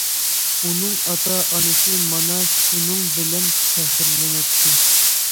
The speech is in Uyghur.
ئۇنىڭ ئاتا- ئانىسى مانا شۇنىڭ بىلەن پەخىرلىنەتتى.